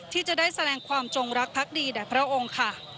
ที่จะได้แสดงความจงรักพรรคดีและพระองค์